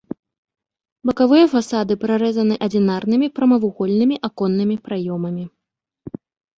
Бакавыя фасады прарэзаны адзінарнымі прамавугольнымі аконнымі праёмамі.